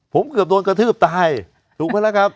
ผมเกือบโดนกระทืบตายถูกไหมล่ะครับ